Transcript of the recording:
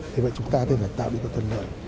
thế vậy chúng ta thì phải tạo được một tuần lợi